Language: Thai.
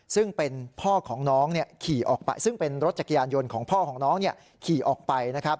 ซึ่งเป็นรถจักรยานยนต์ของพ่อของน้องขี่ออกไป